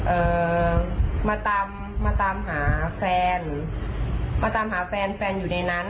เอ่อมาตามมาตามหาแฟนมาตามหาแฟนแฟนอยู่ในนั้น